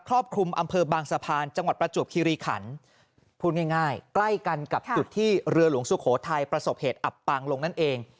รอบคลุมอำเภอบางสะพานจังหวัดประจวบคิริขันพูดง่ายง่ายใกล้กันกับจุดที่เรือหลวงสุโขทัยประสบเหตุอับปางลงนั่นเอง